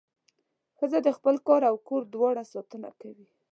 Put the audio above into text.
ښځه د خپل کار او کور دواړو ساتنه کوي.